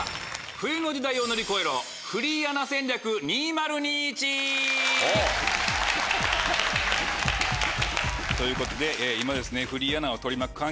冬の時代を乗り越えろフリーアナ戦略２０２１！ということで今フリーアナを取り巻く環境